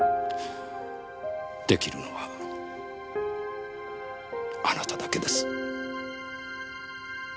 できるのはあなただけです。